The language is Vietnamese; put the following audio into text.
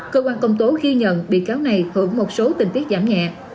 cơ quan công tố ghi nhận bị cáo này hưởng một số tình tiết giảm nhẹ